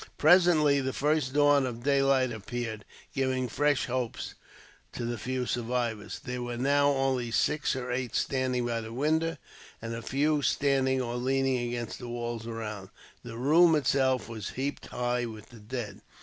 Presently the first dawn of daylight appeared, giving fresh hopes to the few survivors. There were now only some six or eight standing by the window, and a few standing or leaning against the walls around. The room itself was heaped high with the dead.